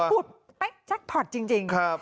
ปุ๊บแป๊ะชักพอดจริง